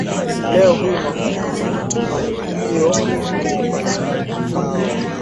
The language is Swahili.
leo hii mafanikio waliyofikia wanajiuliza maswali pasipo kupata majibu Lady Jaydee anastahili umalkia wa